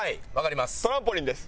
トランポリンです。